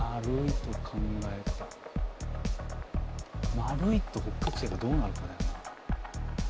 丸いと北極星がどうなるかだよな。